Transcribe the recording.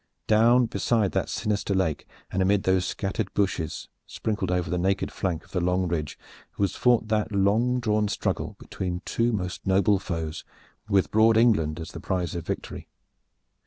Down beside that sinister lake and amid those scattered bushes sprinkled over the naked flank of the long ridge was fought that long drawn struggle betwixt two most noble foes with broad England as the prize of victory.